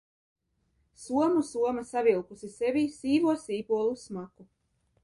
Somu soma savilkusi sevī sīvo sīpolu smaku.